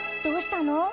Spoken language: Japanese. どうしたの？